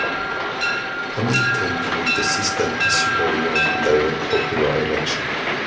Hamilton viewed the system as superior to direct popular election.